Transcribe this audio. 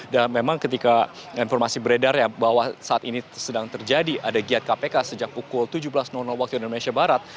dan memang ketika informasi beredar bahwa saat ini sedang terjadi ada giat kpk sejak pukul tujuh belas waktu di indonesia barat